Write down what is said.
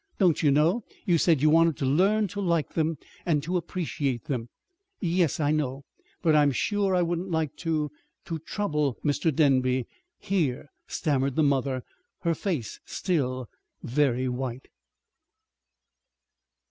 "Don't you know? You said you wanted to learn to like them, and to appreciate them." "Yes, I know. But I'm sure I wouldn't like to to trouble Mr. Denby here," stammered the mother, her face still very white.